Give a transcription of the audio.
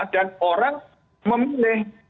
dan orang memilih